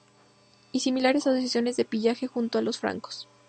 Y similares asociaciones de pillaje junto a los francos.